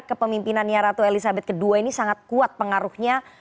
kepemimpinannya ratu elizabeth ii ini sangat kuat pengaruhnya